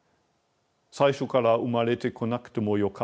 最初から生まれてこなくてもよかった。